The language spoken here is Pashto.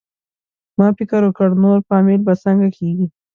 ما فکر وکړ نور فامیل به څنګه کېږي؟